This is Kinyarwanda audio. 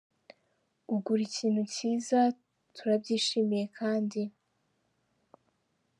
ugura ikintu cyiza Turabyishimiye kandi.